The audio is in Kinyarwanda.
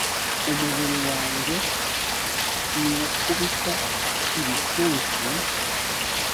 umubiri wanjye nywukubita ibipfunsi